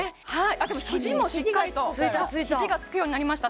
でも肘もしっかりと肘がつくようになりました